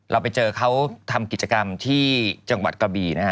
เราไปเจอเขาทำกิจกรรมที่จังหวัดกระบีนะฮะ